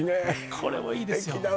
これもいいですよ